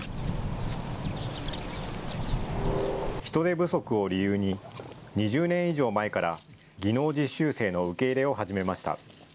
人手不足を理由に２０年以上前から技能実習生の受け入れを始めました。